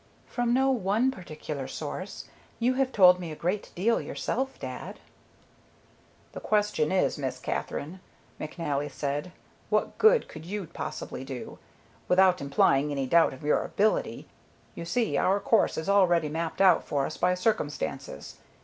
"From no one particular source. You have told me a great deal yourself, dad." "The question is, Miss Katherine," McNally said, "what good could you possibly do? Without implying any doubt of your ability, you see our course is already mapped out for us by circumstances.